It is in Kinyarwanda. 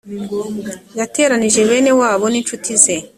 yateranije bene wabo n incuti ze